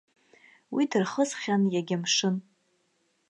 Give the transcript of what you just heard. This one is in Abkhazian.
Уи дырхысхьан иагьа мшын.